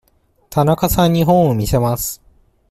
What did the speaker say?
田中さんに本を見せます。